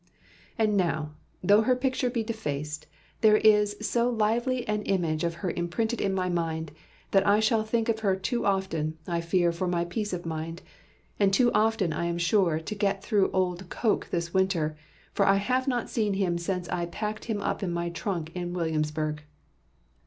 "... And now, though her picture be defaced, there is so lively an image of her imprinted in my mind, that I shall think of her too often, I fear for my peace of mind; and too often I am sure to get through old Coke this winter, for I have not seen him since I packed him up in my trunk in Williamsburg.